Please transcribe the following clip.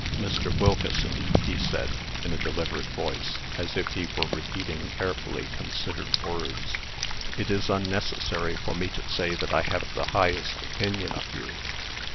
"Mr. Wilkeson," he said, in a deliberate voice, as if he were repeating carefully considered words, "it is unnecessary for me to say that I have the highest opinion of you.